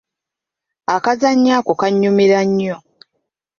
Akazannyo ako kannyumira nnyo.